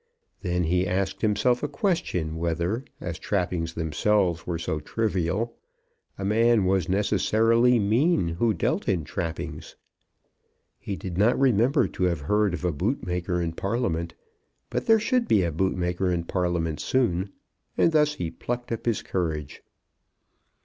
Then he asked himself a question whether, as trappings themselves were so trivial, a man was necessarily mean who dealt in trappings. He did not remember to have heard of a bootmaker in Parliament. But there should be a bootmaker in Parliament soon; and thus he plucked up his courage.